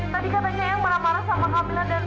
tadi katanya ayang marah marah sama kamila